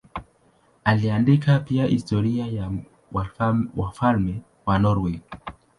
Aliandika pia historia ya wafalme wa Norwei.